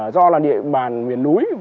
do là địa bàn miền núi